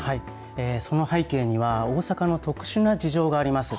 その背景には、大阪の特殊な事情があります。